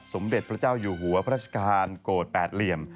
สมเด็จพระเจ้าอยู่หัวพระราชกาลโกรธแปดเหลี่ยม